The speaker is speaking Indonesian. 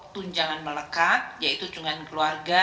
tunjangan melekat yaitu dengan keluarga